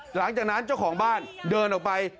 หลังจากนั้นเจ้าของบ้านเดินออกไป